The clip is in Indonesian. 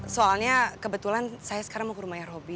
soalnya kebetulan saya sekarang mau kerumah rumahan robby